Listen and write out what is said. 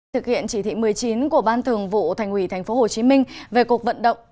thực hiện chỉ thị một mươi chín của ban thường vụ thành ủy tp hcm về cuộc vận động